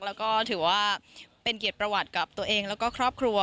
แล้วก็ถือว่าเป็นเกียรติประวัติกับตัวเองแล้วก็ครอบครัว